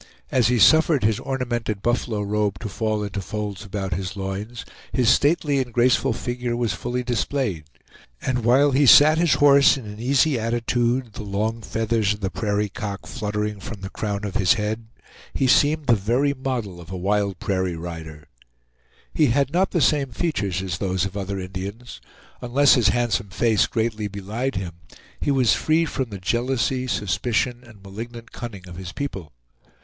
As he suffered his ornamented buffalo robe to fall into folds about his loins, his stately and graceful figure was fully displayed; and while he sat his horse in an easy attitude, the long feathers of the prairie cock fluttering from the crown of his head, he seemed the very model of a wild prairie rider. He had not the same features as those of other Indians. Unless his handsome face greatly belied him, he was free from the jealousy, suspicion, and malignant cunning of his people.